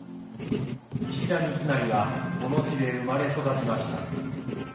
石田三成はこの地で生まれ育ちました。